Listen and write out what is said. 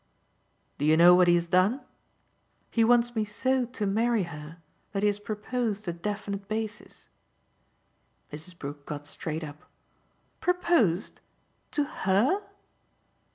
"Do you know what he has done? He wants me so to marry her that he has proposed a definite basis." Mrs. Brook got straight up. "'Proposed'? To HER?"